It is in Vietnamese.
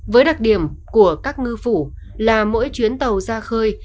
với đặc điểm của các ngư phủ là mỗi chuyến tàu ra khơi